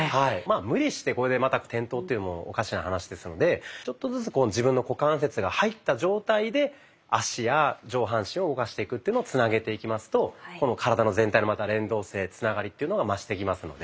無理してこれでまた転倒っていうのもおかしな話ですのでちょっとずつこう自分の股関節が入った状態で脚や上半身を動かしていくっていうのをつなげていきますとこの体の全体のまた連動性つながりというのが増してきますので。